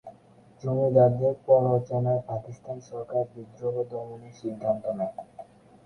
জমিদারদের প্ররোচনায় পাকিস্তান সরকার বিদ্রোহ দমনের সিদ্ধান্ত নেয়।